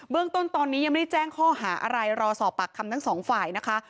เรื่องต้นตอนนี้ยังไม่ได้แจ้งข้อหาอะไรรอสอบปากคำทั้งสองฝ่ายนะคะ